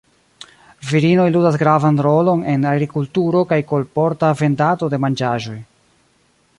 Virinoj ludas gravan rolon en agrikulturo kaj kolporta vendado de manĝaĵoj.